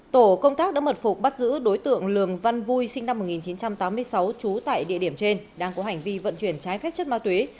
tổ công tác đã mật phục bắt giữ đối tượng lường văn vui sinh năm một nghìn chín trăm tám mươi sáu trú tại địa điểm trên đang có hành vi vận chuyển trái phép chất ma túy